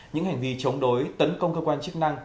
những hành vi chống đối tấn công cơ quan chức năng